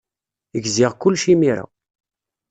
Gziɣ kullec imir-a.